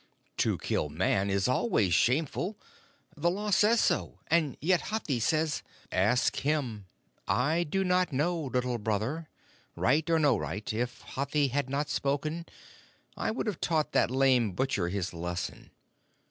"To kill Man is always shameful. The Law says so. And yet Hathi says " "Ask him. I do not know, Little Brother. Right or no right, if Hathi had not spoken I would have taught that lame butcher his lesson.